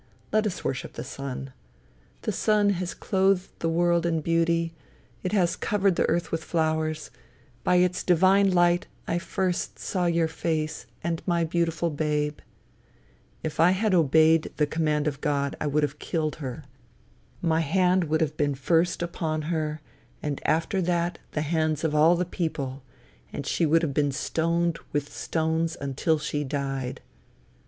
Let us worship the sun. The sun has clothed the world in beauty; it has covered the earth with flowers; by its divine light I first saw your face, and my beautiful babe." If I had obeyed the command of God, I would have killed her. My hand would have been first upon her, and after that the hands of all the people, and she would have been stoned with stones until she died.